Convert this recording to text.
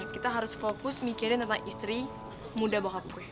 kita harus fokus mikirin tentang istri muda bapak gue